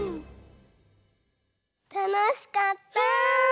たのしかった。